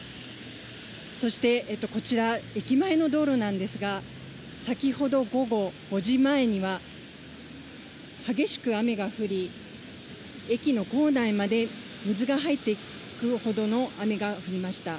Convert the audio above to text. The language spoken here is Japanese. そしてこちら駅前の道路なんですが、先ほど午後５時前には、激しく雨が降り、駅の構内まで水が入っていくほどの雨が降りました。